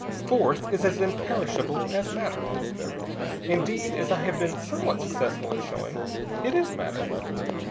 Force is as imperishable as matter; indeed, as I have been somewhat successful in showing, it is matter.